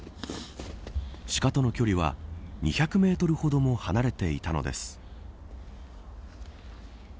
シカとの距離は２００メートルほども離れていたのです。